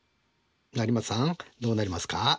成松さんどうなりますか？